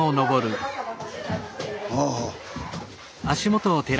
ああ。